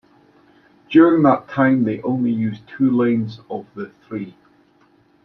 During that time they only use two lanes of the three.